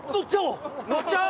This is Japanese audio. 乗っちゃおう！